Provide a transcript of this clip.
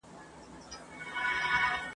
ښځو پټېږی د مرګي وار دی ,